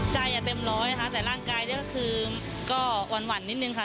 ใจเต็มร้อยแต่ร่างกายก็หวั่นนิดหนึ่งค่ะ